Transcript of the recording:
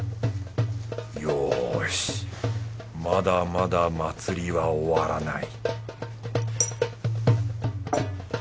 よしまだまだ祭りは終わらない